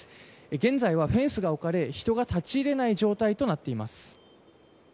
現在はフェンスが置かれ、人が立ち入れない状態となっています。